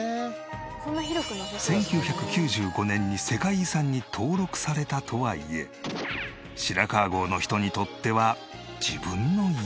１９９５年に世界遺産に登録されたとはいえ白川郷の人にとっては自分の家。